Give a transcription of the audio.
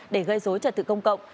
để gây dối trật tự công cộng